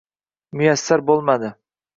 muyassar bo‘lmadi.